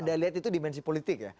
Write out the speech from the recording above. anda lihat itu dimensi politik ya